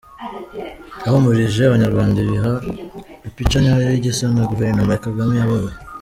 Yahumurije abanyarwanda ibaha ipica nyayo y’igisa na guverinoma Kagame ayoboye.